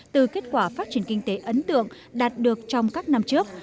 từ kết quả phát triển kinh tế ấn tượng đạt được trong các năm trước